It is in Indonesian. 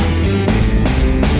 udah bocan mbak